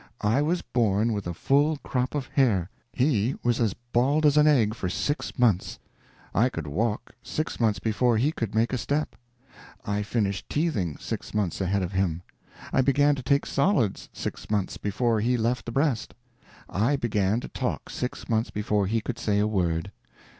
I was born with a full crop of hair, he was as bald as an egg for six months. I could walk six months before he could make a step. I finished teething six months ahead of him. I began to take solids six months before he left the breast. I began to talk six months before he could say a word.